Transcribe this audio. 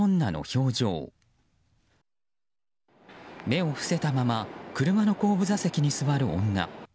目を伏せたまま車の後部座席に座る女。